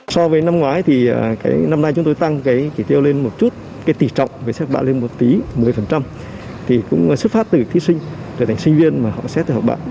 so với năm ngoái thì năm nay chúng tôi tăng kỷ tiêu lên một chút kỷ tỷ trọng của xét học bạn lên một tí một mươi